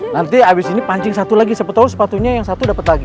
nanti abis ini pancing satu lagi siapa tahu sepatunya yang satu dapat lagi